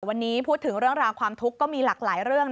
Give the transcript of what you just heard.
วันนี้พูดถึงเรื่องราวความทุกข์ก็มีหลากหลายเรื่อง